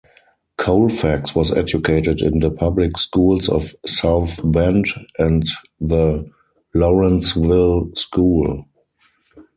Colfax was educated in the public schools of South Bend and the Lawrenceville School.